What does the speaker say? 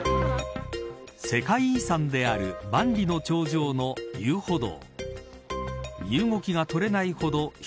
世界遺産である万里の長城の遊歩道。